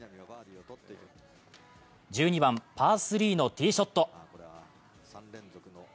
１２番パー３のティーショット。